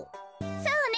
そうね。